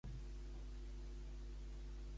Els alumnes d'economia política beneeixen la taula?